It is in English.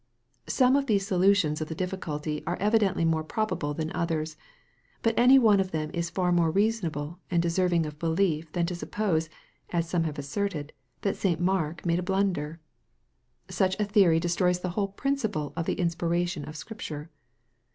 Some of these solutions of the difficulty are evidently more probable than others. But any one of them is far more reasonable and deserv ing of belief than to suppose, as some have asserted, that St. Mark made a blunder ! Such a theory destroys the whole principle of the inspiration of Scripture.